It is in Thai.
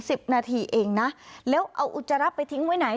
สิบนาทีเองนะแล้วเอาอุจจาระไปทิ้งไว้ไหน